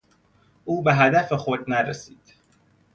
او به هدف خود نرسید.